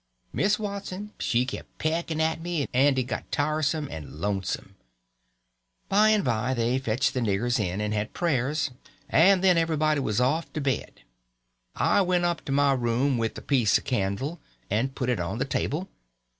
Miss Watson she kept pecking at me, and it got tiresome and lonesome. By and by they fetched the niggers in and had prayers, and then everybody was off to bed. I went up to my room with a piece of candle, and put it on the table.